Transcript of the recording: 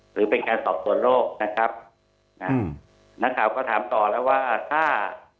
หรือเป็นการสอบส่วนโรคนะครับนะนักข่าวก็ถามต่อแล้วว่าถ้า